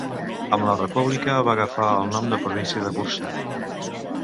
Amb la república va agafar el nom de província de Bursa.